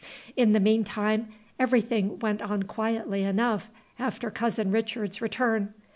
In the mean time, everything went on quietly enough after Cousin Richard's return.